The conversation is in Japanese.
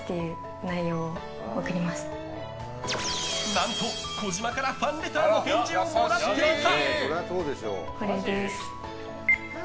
何と、児嶋からファンレターの返事をもらっていた。